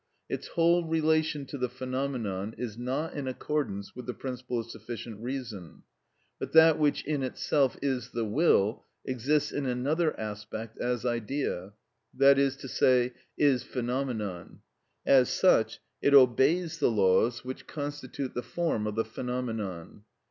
Its whole relation to the phenomenon is not in accordance with the principle of sufficient reason. But that which in itself is the will exists in another aspect as idea; that is to say, is phenomenon. As such, it obeys the laws which constitute the form of the phenomenon.